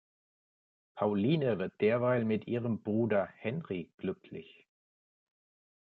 Pauline wird derweil mit ihrem Bruder Henri glücklich.